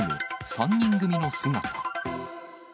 ３人組の姿。